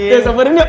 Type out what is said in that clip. ya sabarin yuk